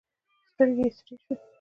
سترګې یې سرې شوې.